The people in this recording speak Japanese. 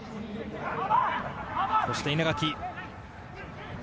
そして稲垣。